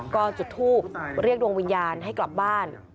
ก็จุดทูบเรียกดวงวิญญาณให้กลับบ้าน